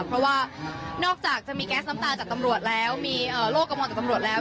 เพราะว่านอกจากจะมีแก๊สน้ำตาจากตำรวจแล้วมีโรคกังวลจากตำรวจแล้ว